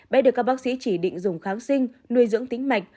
bé được các bác sĩ chỉ định dùng kháng sinh nuôi dưỡng tính mạch